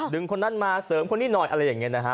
คนนั้นมาเสริมคนนี้หน่อยอะไรอย่างนี้นะฮะ